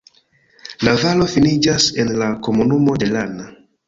La valo finiĝas en la komunumo de Lana.